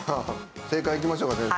正解いきましょうか先生。